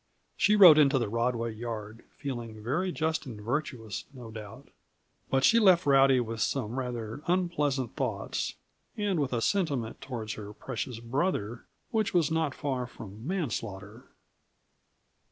She rode into the Rodway yard, feeling very just and virtuous, no doubt. But she left Rowdy with some rather unpleasant thoughts, and with a sentiment toward her precious brother which was not far from manslaughter.